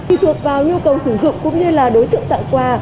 tùy thuộc vào nhu cầu sử dụng cũng như là đối tượng tặng quà